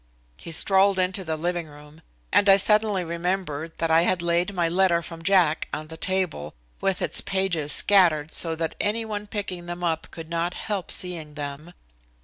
He strolled into the living room, and I suddenly remembered that I had laid my letter from Jack on the table, with its pages scattered so that any one picking them up could not help seeing them.